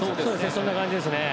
そんな感じですね。